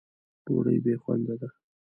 ډوډۍ بې خونده ده.